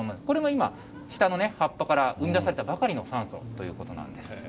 これが今、下の葉っぱから生み出されたばかりの酸素ということなんです。